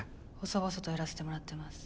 細々とやらせてもらってます。